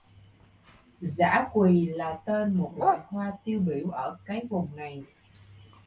Dã quỳ là tên một loại hoa tiêu biểu ở cái vùng này